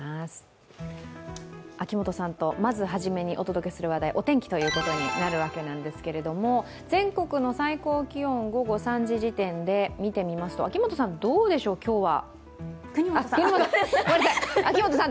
秋元さんとまず初めにお届けする話題お天気ということになるわけですけれども、全国の最高気温、午後３時時点で見てみますと國本さん、どうでしょう、今日は？